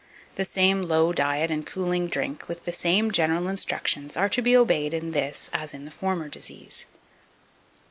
The same low diet and cooling drink, with the same general instructions, are to be obeyed in this as in the former disease.